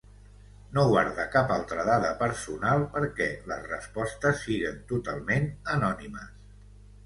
No guarda cap altra dada personal perquè les respostes siguen totalment anònimes.